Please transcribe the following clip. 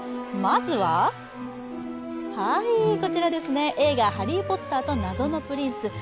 まずは、こちら、映画「ハリー・ポッターと謎のプリンス」